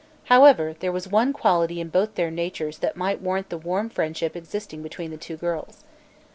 However, there was one quality in both their natures that might warrant the warm friendship existing between the two girls.